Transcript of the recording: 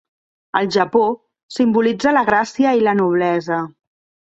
Al Japó, simbolitza la gràcia i la noblesa.